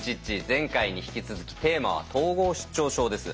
前回に引き続きテーマは「統合失調症」です。